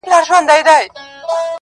بې حیا یم، بې شرفه په وطن کي.